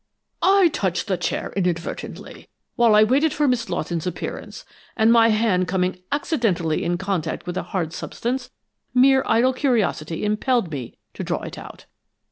"I touched the chair inadvertently, while I waited for Miss Lawton's appearance, and my hand coming accidentally in contact with a hard substance, mere idle curiosity impelled me to draw it out.